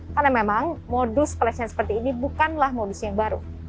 karena memang modus pelecehan seperti ini bukanlah modus yang baru